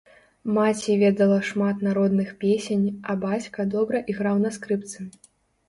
Маці ведала шмат народных песень, а бацька добра іграў на скрыпцы.